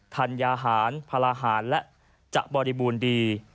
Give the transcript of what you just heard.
ธัญญาหารพลาหารและจะบริบูรณ์ดี